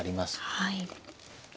はい。